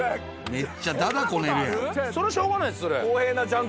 めっちゃだだこねるやん。